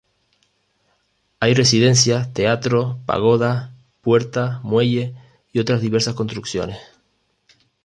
Hay residencias, teatros, pagodas, puertas, muelles y otras diversas construcciones.